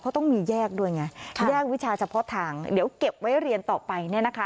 เขาต้องมีแยกด้วยไงแยกวิชาเฉพาะทางเดี๋ยวเก็บไว้เรียนต่อไปเนี่ยนะคะ